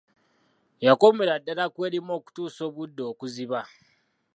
Yakombera ddala kw'erima okutuusa obudde okuziba.